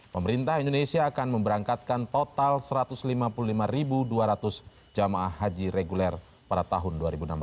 pemerintah indonesia akan memberangkatkan total satu ratus lima puluh lima dua ratus jemaah haji reguler pada tahun dua ribu enam belas